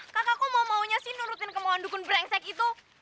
kakak kok mau maunya sih nurutin kemohon dukun brengsek itu